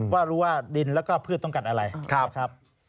ว่ารู้ว่าดินแล้วก็พืชต้องการอะไรนะครับ